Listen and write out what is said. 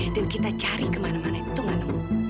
dan kita cari kemana mana itu nggak nemu